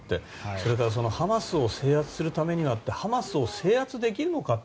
それからハマスを制圧するためにはってハマスを制圧できるのか。